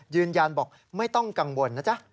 ยืนยันบอกไม่ต้องกังวลนะจ๊ะ